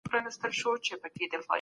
نارهغه نشه یې توکي روغتیا ته خطرناکه دي.